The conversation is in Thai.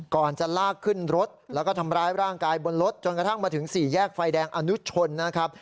ก่อนจะลากขึ้นรถแล้วก็ทำร้ายร่างกายบนรถจนกระทั่งมาถึงสี่แยกไฟแดงอนุชนนะครับ